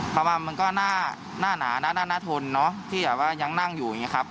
คำว่ามันก็หน้าหนาหน้าหน้าหน้าทนเนอะที่แบบว่ายังนั่งอยู่อย่างเงี้ยครับ